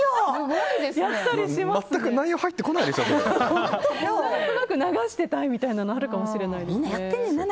何となく流してたいみたいなのはあるかもしれないです。